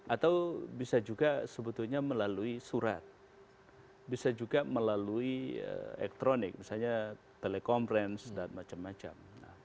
atau bisa juga sebetulnya melalui surat bisa juga melalui elektronik misalnya telekonferensi dan macam macam